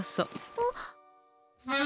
あっ。